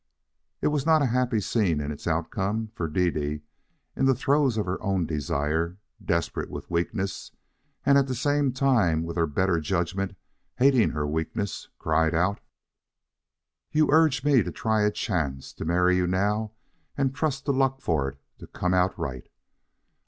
It was not a happy scene in its outcome, for Dede, in the throes of her own desire, desperate with weakness and at the same time with her better judgment hating her weakness cried out: "You urge me to try a chance, to marry you now and trust to luck for it to come out right.